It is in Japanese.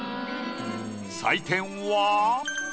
採点は。